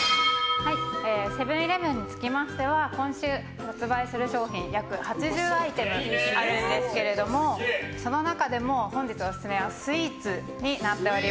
セブン‐イレブンにつきましては今週発売する商品が約８０アイスあるんですがその中でも本日オススメはスイーツです。